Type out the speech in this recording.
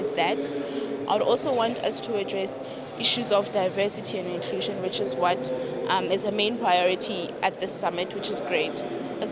saya juga ingin kita menjelaskan isu keberagaman dan inklusi yang adalah prioritas utama di summit yang bagus